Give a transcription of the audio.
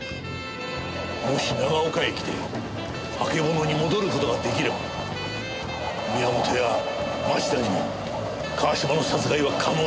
もし長岡駅であけぼのに戻る事が出来れば宮本や町田にも川島の殺害は可能だ。